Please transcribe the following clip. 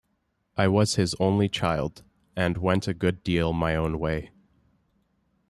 I was his only child, and went a good deal my own way.